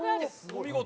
お見事。